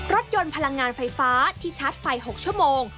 รถยนต์พลังงานไฟฟ้าที่ชาร์จไฟ๖ชั่วโมง